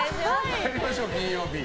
参りましょう、金曜日。